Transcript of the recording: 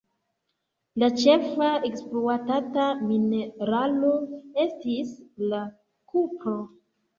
La ĉefa ekspluatata mineralo estis la kupro.